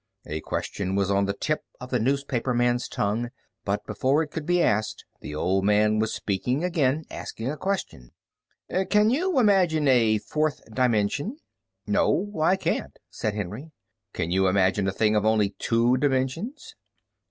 A question was on the tip of the newspaperman's tongue, but before it could be asked the old man was speaking again, asking a question: "Can you imagine a fourth dimension?" "No, I can't," said Henry. "Can you imagine a thing of only two dimensions?"